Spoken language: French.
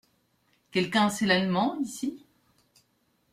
Quelqu’un sait l’allemand ici ?